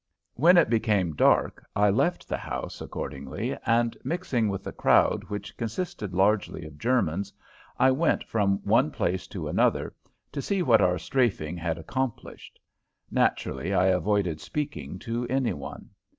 When it became dark I left the house, accordingly, and, mixing with the crowd, which consisted largely of Germans, I went from one place to another to see what our "strafing" had accomplished. Naturally I avoided speaking to any one.